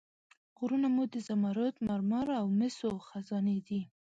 غرونه مو د زمرد، مرمر او مسو خزانې دي.